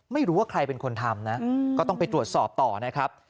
ไม่รู้ว่าใครเป็นคนทำนะก็ต้องไปตรวจสอบต่อนะครับ